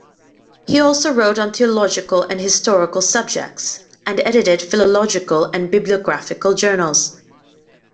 He also wrote on theological and historical subjects, and edited philological and bibliographical journals.